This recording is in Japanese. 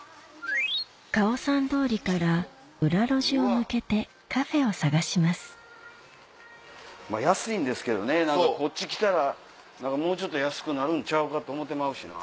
カオサン通りからまぁ安いんですけどね何かこっち来たらもうちょっと安くなるんちゃうかと思ってまうしな。